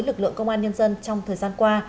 lực lượng công an nhân dân trong thời gian qua